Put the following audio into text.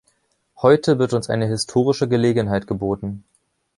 Heute wird uns eine historische Gelegenheit geboten.